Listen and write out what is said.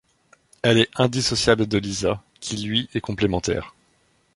Elle est indissociable de Lisa, qui lui est complémentaire.